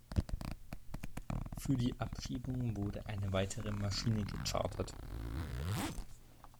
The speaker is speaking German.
Für die Abschiebung wurde eine weitere Maschine gechartert.